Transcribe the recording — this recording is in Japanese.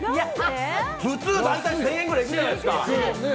普通、大体１０００円くらいいくじゃないですか。